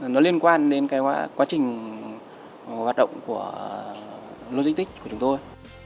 nó liên quan đến cái quá trình hoạt động của logistics của chúng tôi